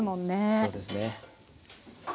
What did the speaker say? そうですね。